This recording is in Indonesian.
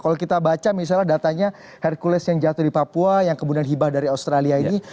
kalau kita baca misalnya datanya hercules yang jatuh di papua yang kemudian hibah dari australia ini